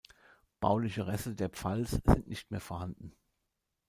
Bauliche Reste der Pfalz sind nicht mehr vorhanden.